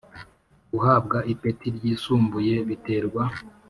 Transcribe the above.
Guhabwa ipeti ryisumbuye biterwa